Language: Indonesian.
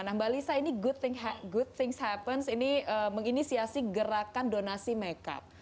nah mbak lisa ini good things happens ini menginisiasi gerakan donasi makeup